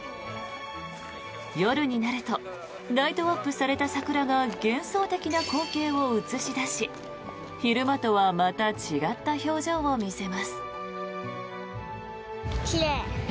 夜になるとライトアップされた桜が幻想的な光景を映し出し昼間とはまた違った表情を見せます。